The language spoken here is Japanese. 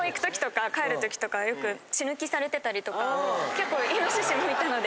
結構イノシシもいたので。